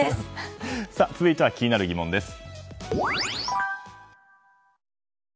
次は気になるギモンです。